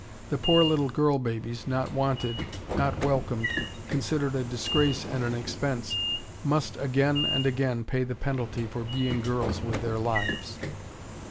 The poor little girl babies, not wanted, not welcomed, considered a disgrace and an expense, must again and again pay the penalty for being girls with their lives.